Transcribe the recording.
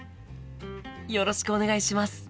よろしくお願いします。